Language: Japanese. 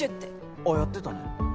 あぁやってたね。